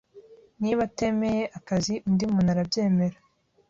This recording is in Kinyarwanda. Niba atemeye akazi, undi muntu arabyemera.